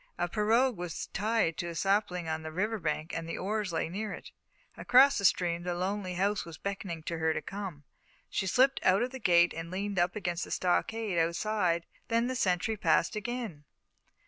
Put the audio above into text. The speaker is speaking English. A pirogue was tied to a sapling on the river bank and the oars lay near it. Across the stream the lonely house was beckoning to her to come. She slipped out of the gate and leaned up against the stockade outside. Then the sentry passed again.